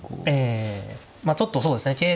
ええちょっとそうですね。